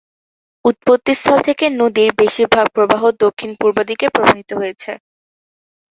উৎপত্তিস্থল হতে নদীর বেশীরভাগ প্রবাহ দক্ষিণ-পূর্ব দিকে প্রবাহিত হয়েছে।